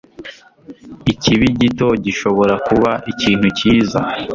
Ikibi gito gishobora kuba ikintu cyiza.